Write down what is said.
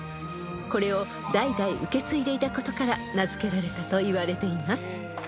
［これを代々受け継いでいたことから名付けられたといわれています］